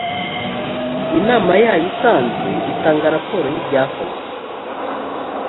inama yayo isanzwe itanga raporo y’ ibyakozwe.